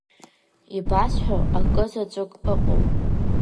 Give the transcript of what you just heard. Ибасҳәо акы заҵәык ыҟоуп.